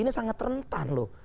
ini sangat rentan loh